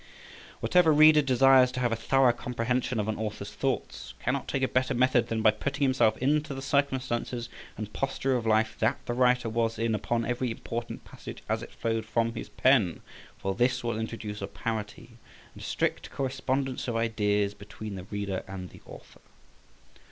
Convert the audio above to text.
Whatever reader desires to have a thorough comprehension of an author's thoughts, cannot take a better method than by putting himself into the circumstances and posture of life that the writer was in upon every important passage as it flowed from his pen, for this will introduce a parity and strict correspondence of ideas between the reader and the author.